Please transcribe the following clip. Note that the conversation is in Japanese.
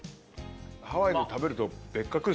ハワイで食べると別格ですね。